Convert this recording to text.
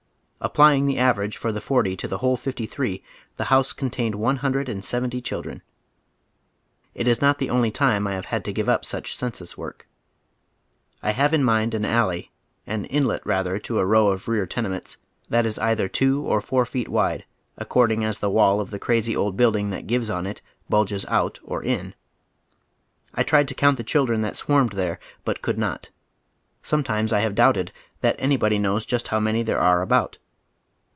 Applying the average for the forty to the whole iifty three, the house contained one hundred and seventy children. It is not the only time I have had to give up such census work. I have in mind an alley — an inlet rather to a row of rear tenements — that oy Google 180 HOW THE OTHER ilALf LIVES. is either two or four feet wide according as tlie wall of the crazy old building that gives on it bulges out or in. I tried to count the children that swarmed there, but could not. Sometimes I have doubted that anybody knows just liow many there are about.